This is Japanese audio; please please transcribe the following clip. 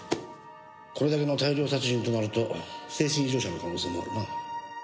これだけの大量殺人となると精神異常者の可能性があるな。